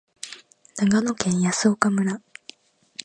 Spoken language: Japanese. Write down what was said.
長野県泰阜村